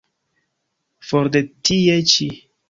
For de tie ĉi!